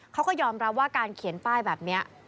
เขาก็ยอมรับว่าการเขียนป้ายแบบนี้